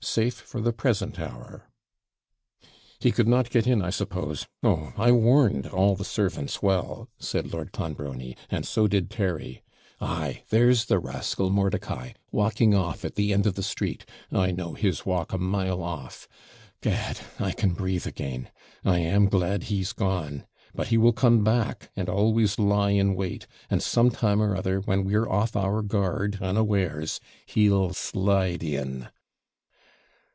'Safe for the present hour.' 'He could not get in, I suppose oh, I warned all the servants well,' said Lord Clonbrony,' and so did Terry. Ay, there's the rascal, Mordicai, walking off, at the end of the street; I know his walk a mile off. Gad! I can breathe again. I am glad he's gone. But he will come back and always lie in wait, and some time or other, when we're off our guard (unawares), he'll slide in.'